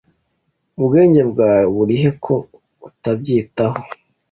Ubwenge bwawe burihe ko utabyitaho?